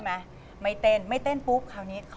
แต่อันนั้นคือเซต